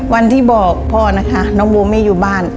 วันที่บอกพ่อนะคะน้องโบไม่อยู่บ้าน